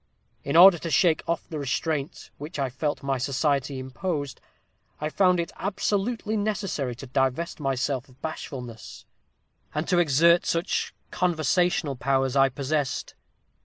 In order to shake off the restraint which I felt my society imposed, I found it absolutely necessary to divest myself of bashfulness, and to exert such conversational powers as I possessed.